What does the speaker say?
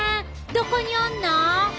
どこにおんの？